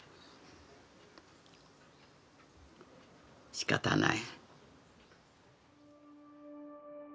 しかたない。